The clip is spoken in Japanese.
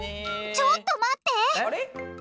ちょっと待って！